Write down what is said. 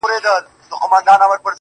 زه وایم ما به واخلي، ما به يوسي له نړيه.